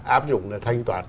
áp dụng là thanh toán